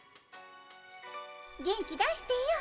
元気出してよ。